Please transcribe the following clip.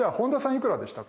いくらでしたか？